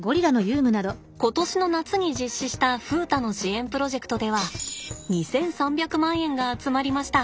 今年の夏に実施した風太の支援プロジェクトでは２，３００万円が集まりました。